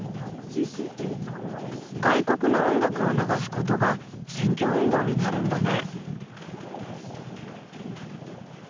外国の音楽を流すことが選挙運動になるんだね。